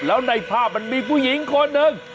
แล้วในภาพมันมีผู้หญิงคนหนึ่ง